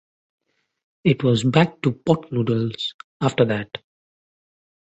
It was back to Pot Noodles after that.